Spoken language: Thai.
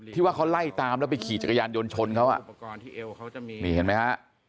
ว่าเขาไล่ตามแล้วไปขี่จักรยานยนต์ชนเขานี่เห็นไหมฮะ